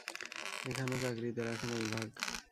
এখানো চাকরিতে রাখে নাই, ভাগ।